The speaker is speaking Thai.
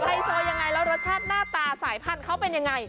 ไฮโซยังไงแล้วรสชาติหน้าตาสายพันธุ์เขาเป็นยังไง